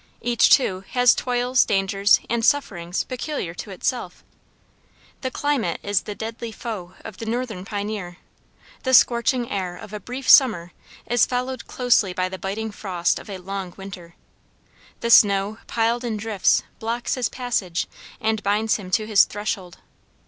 Each, too, has toils, dangers, and sufferings peculiar to itself. The climate is the deadly foe of the northern pioneer. The scorching air of a brief summer is followed closely by the biting frost of a long winter. The snow, piled in drifts, blocks his passage and binds him to his threshold.